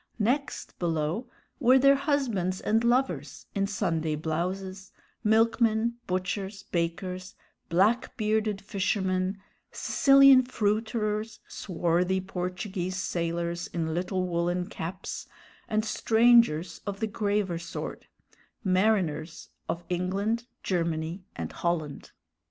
Next below were their husbands and lovers in Sunday blouses, milkmen, butchers, bakers, black bearded fishermen, Sicilian fruiterers, swarthy Portuguese sailors in little woolen caps, and strangers of the graver sort; mariners of England, Germany, and Holland.